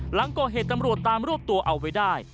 หลังก่อเหตุตำรวจตามรวบตัวเอาไว้ได้